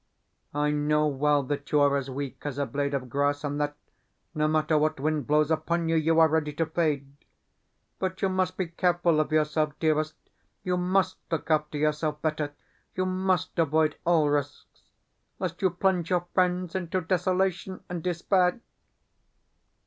I know well that you are as weak as a blade of grass, and that, no matter what wind blows upon you, you are ready to fade. But you must be careful of yourself, dearest; you MUST look after yourself better; you MUST avoid all risks, lest you plunge your friends into desolation and despair.